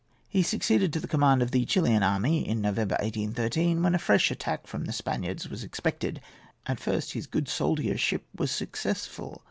He succeeded to the command of the Chilian army in November, 1813, when a fresh attack from the Spaniards was expected. At first his good soldiership was successful.